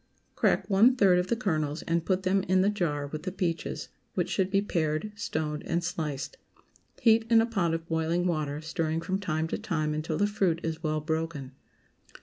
✠ Crack one third of the kernels and put them in the jar with the peaches, which should be pared, stoned, and sliced. Heat in a pot of boiling water, stirring from time to time until the fruit is well broken.